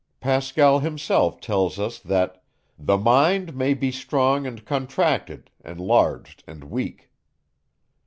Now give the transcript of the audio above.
Pascal himself tells us, that the mind may be strong and contracted, enlarged and weak.